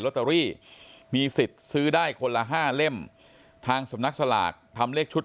ตเตอรี่มีสิทธิ์ซื้อได้คนละห้าเล่มทางสำนักสลากทำเลขชุด